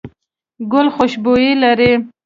ګل خوشبويي لري.